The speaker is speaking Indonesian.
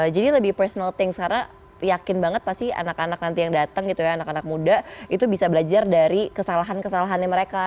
jadi lebih personal things karena yakin banget pasti anak anak nanti yang datang gitu ya anak anak muda itu bisa belajar dari kesalahan kesalahannya mereka